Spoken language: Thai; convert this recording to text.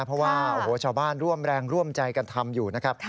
เพราะว่าโอ้โหชาวบ้านร่วมแรงร่วมใจกันทำอยู่นะครับ